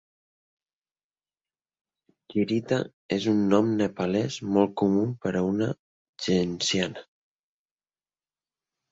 "Chirita" és un nom nepalès molt comú per a una genciana.